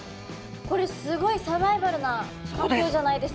これすごいサバイバルな環境じゃないですか。